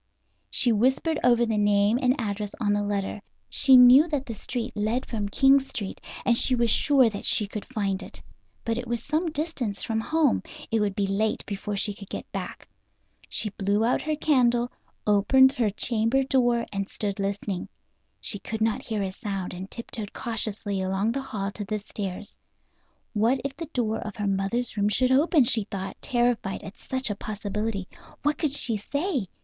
She whispered over the name and address on the letter. She knew that the street led from King Street, and she was sure that she could find it. But it was some distance from home; it would be late before she could get back. She blew out her candle, opened her chamber door and stood listening. She could not hear a sound, and tiptoed cautiously along the hall to the stairs. What if the door of her mother's room should open, she thought, terrified at such a possibility. What could she say?